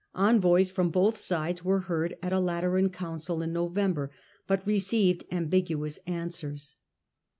Envoys from both sides were heard at a Lateran council in November, but received ambiguous answers.